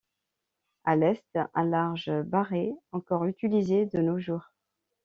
À l'est, un large baray, encore utilisé de nos jours.